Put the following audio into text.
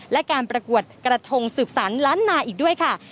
และการประกวดกระทงสืบสารล้านนาอีกด้วยค่ะ